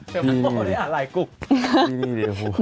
แต่พวกนี้อ่านไหล่กลุ่ม